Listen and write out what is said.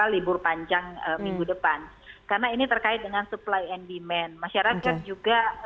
libur panjang minggu depan karena ini terkait dengan supply and demand masyarakat juga